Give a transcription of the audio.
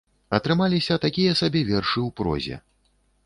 Атрымаліся такія сабе вершы ў прозе.